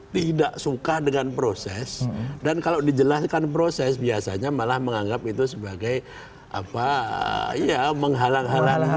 tidak suka dengan proses dan kalau dijelaskan proses biasanya malah menganggap itu sebagai apa ya menghalang halangan